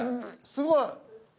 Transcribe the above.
すごい。